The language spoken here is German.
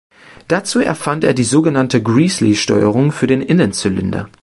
Dazu erfand er die sogenannte "Gresley-Steuerung" für den Innenzylinder.